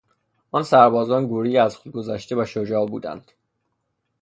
آن سربازان گروهی از خود گذشته و شجاع بودند.